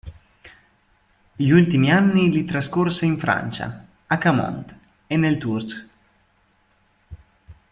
Gli ultimi anni li trascorse in Francia, a Chaumont e nel Tours.